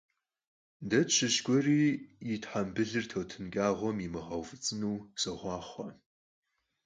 De tşış gueri yi thembılır tutın ç'ağuem yimığeuf'ıts'ınu soxhuaxhue!